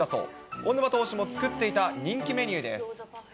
小沼投手も作っていた人気メニューです。